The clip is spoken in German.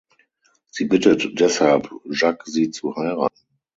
Sie bittet deshalb Jacques sie zu heiraten.